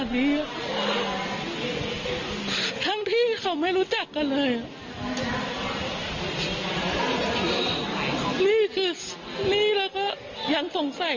แล้วข้าเพื่ออะไร